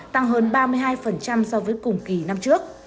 tăng hơn ba mươi hai so với cùng kỳ năm trước